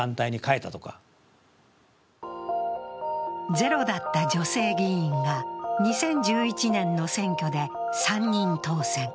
ゼロだった女性議員が２０１１年の選挙で３人当選。